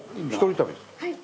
はい。